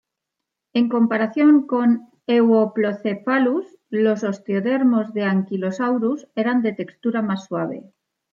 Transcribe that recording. En comparación con "Euoplocephalus", los osteodermos de "Ankylosaurus" eran de textura más suave.